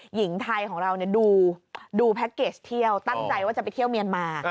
หญิงไทยของเราดูแพ็คเกจเที่ยวตั้งใจว่าจะไปเที่ยวเมียนมา